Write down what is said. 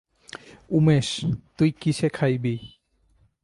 উমেশ, তুই কিসে খাইবি?